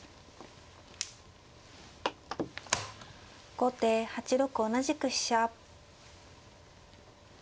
後手８六同じく飛車。